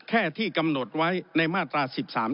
แค่ที่กำหนดไว้ในมาตรา๑๓